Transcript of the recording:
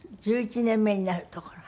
１１年目になるところ。